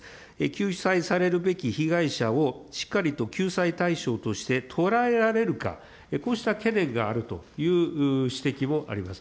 救済されるべき被害者をしっかりと救済対象としてとらえられるか、こうした懸念があるという指摘もあります。